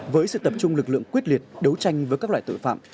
với sự tập trung lực lượng quyết liệt đấu tranh với các loại tội phạm